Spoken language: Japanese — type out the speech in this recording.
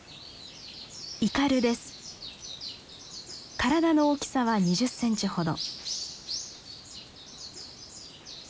体の大きさは２０センチほど。